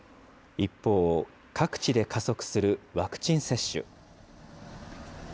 一方、各地で加速するワクチン接種。